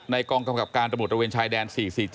กองกำกับการตำรวจระเวนชายแดน๔๔๗